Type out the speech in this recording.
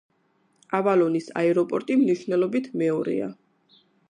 ავალონის აეროპორტი მნიშვნელობით მეორეა.